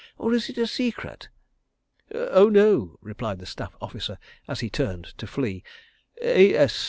Or is it a secret?" "Oh, no!" replied the staff officer, as he turned to flee. "'A.